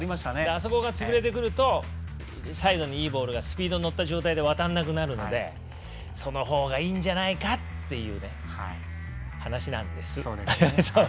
あそこが崩れてくるとサイドにいいボールがスピードに乗った状態で渡らなくなるのでその方がいいんじゃないかっていう話なんです。